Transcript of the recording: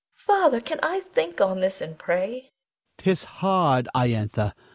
Father, can I think on this and pray?